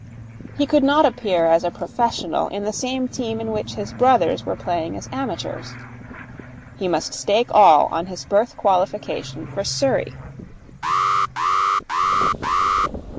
He could not appear as a professional in the same team in which his brothers were playing as amateurs. He must stake all on his birth qualification for Surrey.